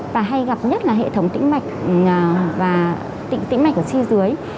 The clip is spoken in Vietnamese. và hay gặp nhất là hệ thống tĩnh mạch vành tĩnh mạch ở chi dưới